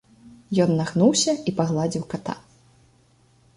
Ён нагнуўся і пагладзіў ката.